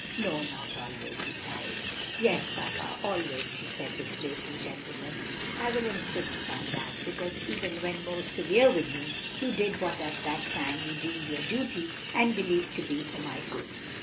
"No, not always," he sighed. "Yes, papa, always," she said with playful tenderness. "I will insist upon that; because even when most severe with me, you did what at the time you deemed your duty, and believed to be for my good."